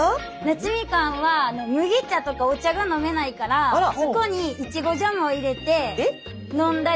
なつみかんは麦茶とかお茶が飲めないからそこにいちごジャムを入れて飲んだり。